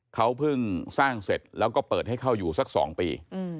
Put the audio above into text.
เขาเพิ่งสร้างเสร็จแล้วก็เปิดให้เข้าอยู่สัก๒ปี